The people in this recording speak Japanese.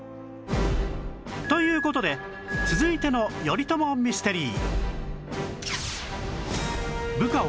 という事で続いての頼朝ミステリー